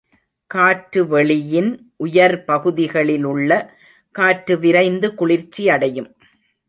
காற்றுவெளியின் உயர்பகுதிகளிலுள்ள காற்று விரைந்து குளிர்ச்சியடையும்.